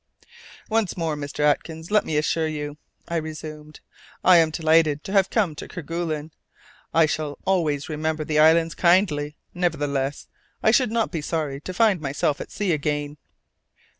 "Once more, Mr. Atkins, let me assure you," I resumed, "I am delighted to have come to Kerguelen. I shall always remember the islands kindly. Nevertheless, I should not be sorry to find myself at sea again."